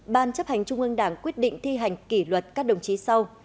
ban chấp hành trung ương đảng quyết định thi hành kỷ luật các đồng chí sau